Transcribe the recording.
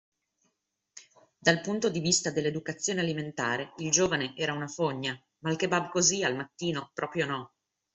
Dal punto di vista dell’educazione alimentare, il giovane era una fogna, ma il kebab così al mattino proprio no.